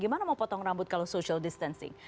gimana mau potong rambut kalau social distancing